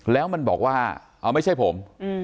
แล้วมันบอกว่าเอาไม่ใช่ผม